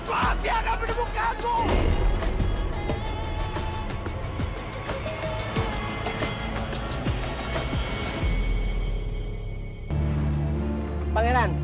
pangeran perbekalan kita sudah habis pangeran